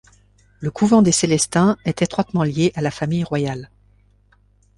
Le couvent des Célestins est étroitement lié à la famille royale.